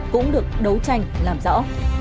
cũng được đấu tranh làm rõ